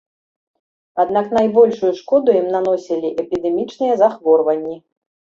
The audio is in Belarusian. Аднак найбольшую шкоду ім наносілі эпідэмічныя захворванні.